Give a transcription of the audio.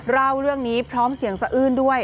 เล่าเรื่องนี้พร้อมเสียงสะอื้นด้วย